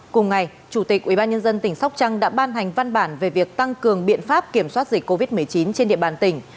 cùng ngày chủ tịch ubnd tỉnh sóc trăng đã ban hành văn bản về việc tăng cường biện pháp kiểm soát dịch covid một mươi chín trên địa bàn tỉnh